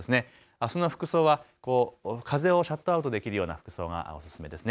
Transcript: あすの服装は風をシャットアウトできるような服装がおすすめですね。